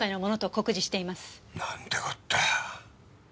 なんてこった。